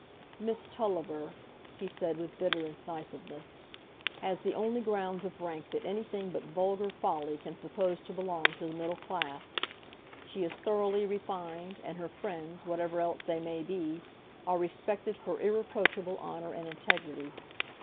"Miss Tulliver," he said, with bitter incisiveness, "has the only grounds of rank that anything but vulgar folly can suppose to belong to the middle class; she is thoroughly refined, and her friends, whatever else they may be, are respected for irreproachable honour and integrity.